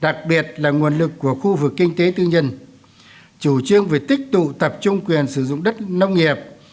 đặc biệt là nguồn lực của khu vực kinh tế tư nhân chủ trương về tích tụ tập trung quyền sử dụng đất nông nghiệp